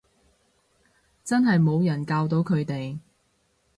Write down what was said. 真係冇人教到佢哋